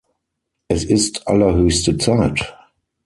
Es ist allerhöchste Zeit!